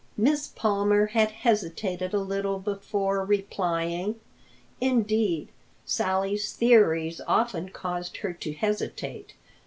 Miss Palmer had hesitated a little before replying. Indeed Sally's theories often caused her to hesitate.